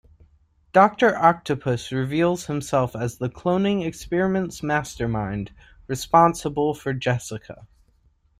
Doctor Octopus reveals himself as the cloning experiments' mastermind responsible for Jessica.